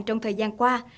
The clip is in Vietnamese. trong thời gian qua